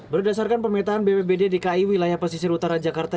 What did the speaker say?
berdasarkan pemetaan bpbd dki wilayah pesisir utara jakarta